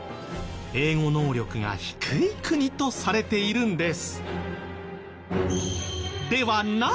英語能力が低い国とされているんです。